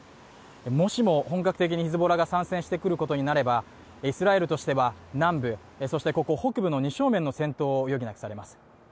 もしも本格的にヒズボラが参戦してくることになればイスラエルとしては南部、そしてここ北部の二正面の戦闘を余儀なくされます。